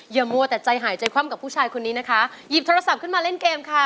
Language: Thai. มัวแต่ใจหายใจคว่ำกับผู้ชายคนนี้นะคะหยิบโทรศัพท์ขึ้นมาเล่นเกมค่ะ